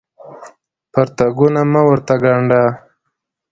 پرتوګونه مه ورته ګاڼډه